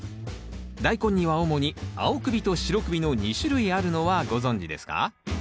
ダイコンには主に青首と白首の２種類あるのはご存じですか？